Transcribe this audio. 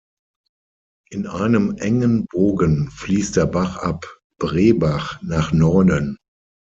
In einem engen Bogen fließt der Bach ab Brebach nach Norden.